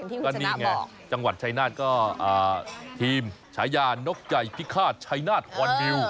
ก็นี่ไงจังหวัดชายนาฏก็ทีมฉายานกใหญ่พิฆาตชัยนาฏฮอนดิว